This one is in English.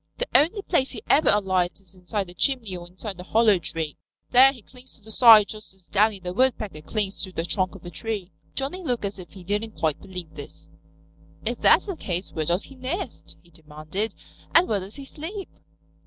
"The only place he ever alights is inside a chimney or inside a hollow tree. There he clings to the side just as Downy the Woodpecker clings to the trunk of a tree." Johnny looked as if he didn't quite believe this. "If that's the case where does he nest?" he demanded. "And where does he sleep?"